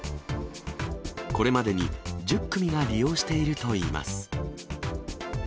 これまでに１０組が利用しているといいます。